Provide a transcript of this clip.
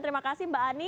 terima kasih mbak ani